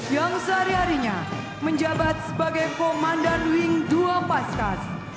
yang sehari harinya menjabat sebagai komandan wing dua paskas